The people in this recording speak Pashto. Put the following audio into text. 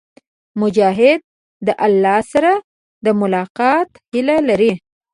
مجاهد د الله سره د ملاقات هيله لري.